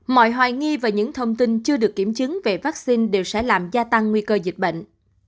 mọi hoài nghi và những thông tin chưa được kiểm chứng về vaccine đều sẽ làm gia tăng nguy cơ dịch bệnh